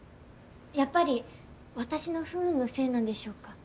やっぱり私の不運のせいなんでしょうか？